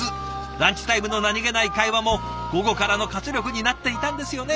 ランチタイムの何気ない会話も午後からの活力になっていたんですよね。